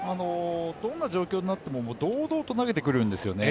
どんな状況になっても、堂々と投げてくるんですよね。